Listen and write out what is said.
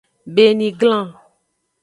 Beniglan.